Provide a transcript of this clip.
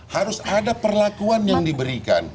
harus ada perlakuan yang diberikan